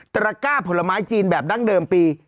ตระก้าผลไม้จีนแบบดั้งเดิมปี